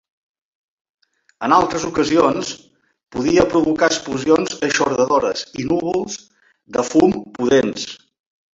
En altres ocasions, podia provocar explosions eixordadores i núvols de fum pudents.